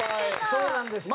そうなんです。